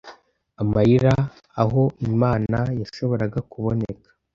amarira aho imana yashoboraga kuboneka